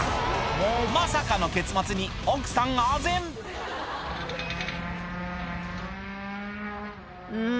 まさかの結末に奥さんあぜんうん？